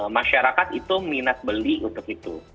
masyarakat itu minat beli untuk itu